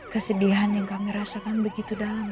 kesedihan yang kami rasakan begitu dalam